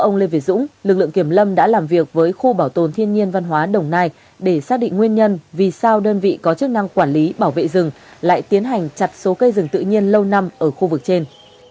nữ đã làm việc với khu bảo tồn thiên nhiên văn hóa đồng nai để xác định nguyên nhân vì sao đơn vị có chức năng quản lý bảo vệ rừng lại tiến hành chặt số cây rừng tự nhiên lâu năm ở khu vực trên